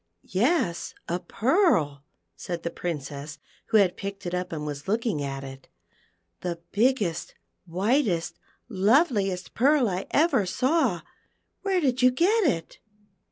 14 THE PEARL FOUNTAIN. "Yes, a pearl," said the Princess, who had picked it up and was looking at it, "the biggest, whitest, loveliest pearl I ever saw. Where did you get it